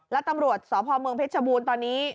และตำรวจสพเผชบูรณ์ตอนนี้